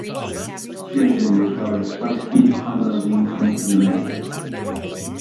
She has been described as feisty, fun-loving, and opinionated.